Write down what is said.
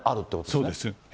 そうですね。